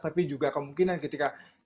tapi juga kemungkinan ketika semen masih berhasil